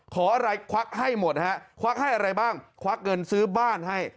ขออะไรควักให้หมดฮะควักให้อะไรบ้างควักเงินซื้อบ้านให้